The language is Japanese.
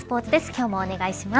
今日もお願いします。